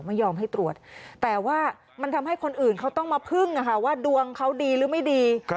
ไม่ยอมให้ตรวจแต่ว่ามันทำให้คนอื่นเขาต้องมาพึ่งว่าดวงเขาดีหรือไม่ดี